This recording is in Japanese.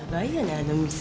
あの店。